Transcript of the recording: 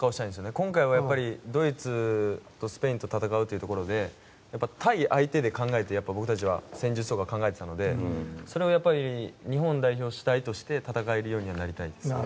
今回はドイツとスペインと戦うというところで対相手で考えて、僕たちは戦術とかを考えていたのでそれを日本代表主体として戦えるようになりたいです。